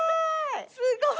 すごい。